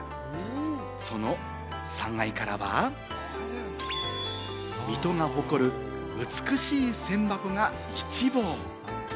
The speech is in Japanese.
その３階からは水戸が誇る美しい千波湖が一望。